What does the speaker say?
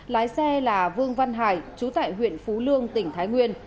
lái xe là vương văn hải chú tại huyện phú lương tỉnh thái nguyên